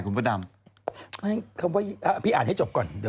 เขาพี่อ่านให้จบก่อน